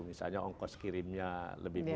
misalnya ongkos kirimnya lebih besar